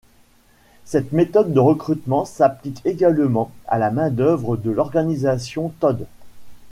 Cette méthode de recrutement s'applique également à la main-d'œuvre de l'Organisation Todt.